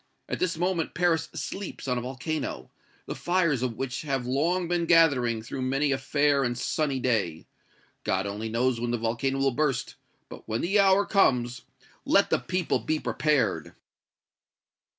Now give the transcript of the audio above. At this moment Paris sleeps on a volcano, the fires of which have long been gathering through many a fair and sunny day! God only knows when the volcano will burst; but, when the hour comes, let the people be prepared!"